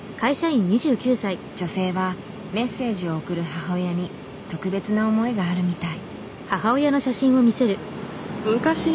女性はメッセージを送る母親に特別な思いがあるみたい。